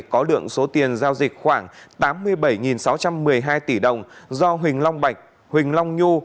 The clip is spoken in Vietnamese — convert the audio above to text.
có lượng số tiền giao dịch khoảng tám mươi bảy sáu trăm một mươi hai tỷ đồng do huỳnh long bạch huỳnh long nhu